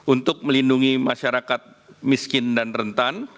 untuk melindungi masyarakat miskin dan rentan